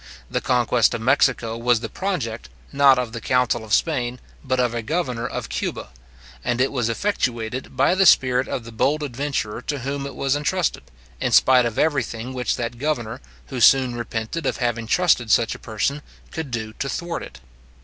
The conquest of Mexico was the project, not of the council of Spain, but of a governor of Cuba; and it was effectuated by the spirit of the bold adventurer to whom it was entrusted, in spite of every thing which that governor, who soon repented of having trusted such a person, could do to thwart it.